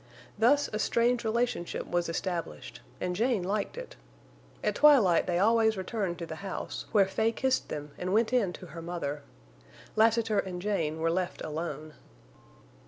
Thus a strange relationship was established, and Jane liked it. At twilight they always returned to the house, where Fay kissed them and went in to her mother. Lassiter and Jane were left alone.